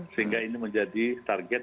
sehingga ini menjadi target